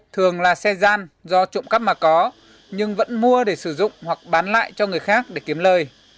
thường là xe gian do trộm cắp mà có nhưng vẫn mua để sử dụng hoặc bán lại cho người khác để kiếm lời